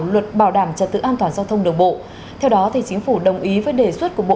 luật bảo đảm trật tự an toàn giao thông đường bộ theo đó chính phủ đồng ý với đề xuất của bộ